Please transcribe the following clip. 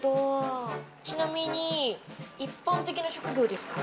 ちなみに、一般的な職業ですか？